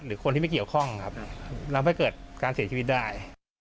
หรือคนที่ไม่เกี่ยวข้องครับแล้วไม่เกิดการเสียชีวิตได้